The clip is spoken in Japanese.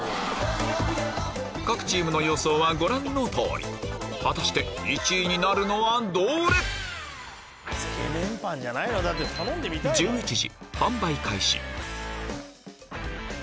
各チームの予想はご覧の通り果たして１位になるのはどれ⁉販売開始